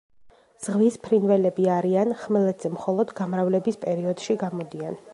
ზღვის ფრინველები არიან, ხმელეთზე მხოლოდ გამრავლების პერიოდში გამოდიან.